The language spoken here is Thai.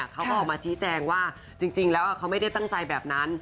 เขาก็ออกมาชี้แจงว่าจริงแล้วเขาไม่ได้ตั้งใจแบบนั้น